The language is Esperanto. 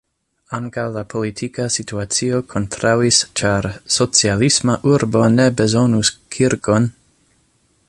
Ankaŭ la politika situacio kontraŭis, ĉar "socialisma urbo ne bezonus kirkon"!